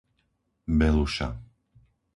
Beluša